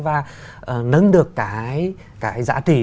và nâng được cái giá trị